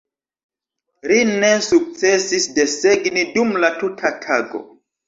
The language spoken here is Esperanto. Ri ne sukcesis desegni dum la tuta tago.